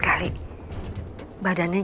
kayak iges boleh gitu ya ma